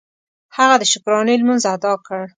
هغه د شکرانې لمونځ ادا کړ.